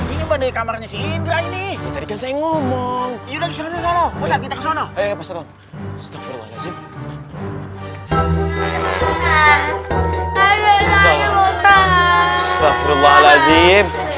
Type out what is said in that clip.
ini banding kamarnya si indra ini tadi saya ngomong yuk kita kesana pasapam